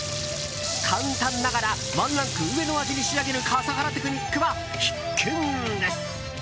簡単ながらワンランク上の味に仕上げる笠原テクニックは必見です。